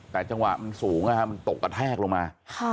แต่จังหวะมันสูงมันตกกระแทกลงมา